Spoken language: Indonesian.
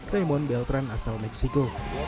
raymond beltran asal meksiko